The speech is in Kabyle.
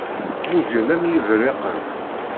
Mmugen am yiberriqen.